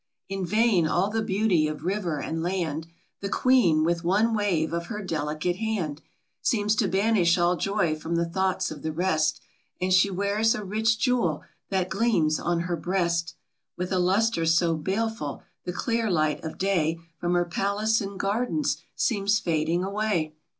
In vain all the beauty of river and land ; The Queen, with one wave of her delicate hand, Seems to banish all joy from the thoughts of the rest; And she wears a rich jewel, that gleams on hei breast With a lustre so baleful, the clear light of day From her palace and gardens seems fading away.